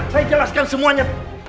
saya jelaskan semuanya